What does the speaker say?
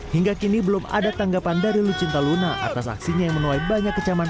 hingga kini belum ada tanggapan dari lucinta luna atas aksinya yang menuai banyak kecaman